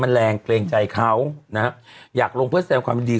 มันแรงเกรงใจเขานะฮะอยากลงเพื่อแสดงความยินดี